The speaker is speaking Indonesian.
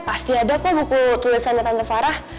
pasti ada kok buku tulisan dari tante farah